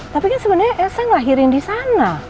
tapi kan sebenernya elsa ngelahirin disana